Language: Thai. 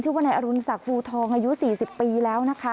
ว่านายอรุณศักดิฟูทองอายุ๔๐ปีแล้วนะคะ